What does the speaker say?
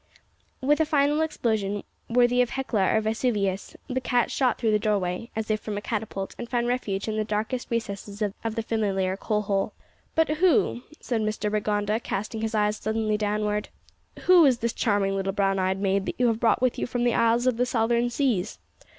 With a final explosion, worthy of Hecla or Vesuvius, the cat shot through the doorway, as if from a catapult, and found refuge in the darkest recesses of the familiar coal hole. "But who," said Mr Rigonda, casting his eyes suddenly downward, "who is this charming little brown eyed maid that you have brought with you from the isles of the southern seas?